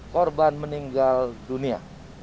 korban meninggal dunia